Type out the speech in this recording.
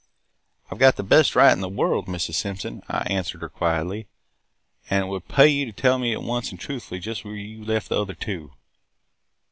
"'I 've got the best right in the world, Mrs. Simpson,' I answered her quietly. 'And it would pay you to tell me at once and truthfully just where you left the other two.'